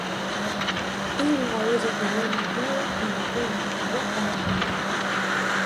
Ili uweze kuliona ziwa ni lazima upande mlima